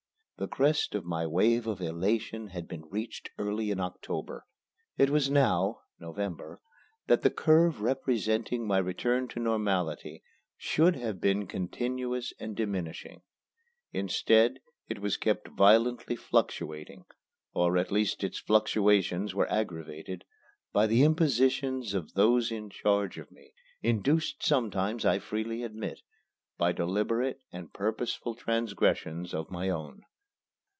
The crest of my wave of elation had been reached early in October. It was now (November) that the curve representing my return to normality should have been continuous and diminishing. Instead, it was kept violently fluctuating or at least its fluctuations were aggravated by the impositions of those in charge of me, induced sometimes, I freely admit, by deliberate and purposeful transgressions of my own.